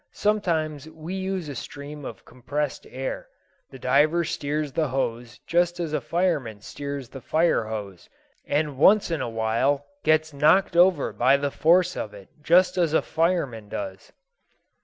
Sometimes we use a stream of compressed air. The diver steers the hose just as a fireman steers the fire hose, and once in a while gets knocked over by the force of it, just as a fireman does."